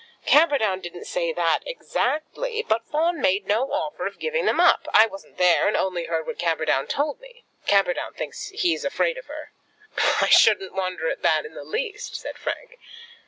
"Camperdown didn't say that exactly; but Fawn made no offer of giving them up. I wasn't there, and only heard what Camperdown told me. Camperdown thinks he's afraid of her." "I shouldn't wonder at that in the least," said Frank.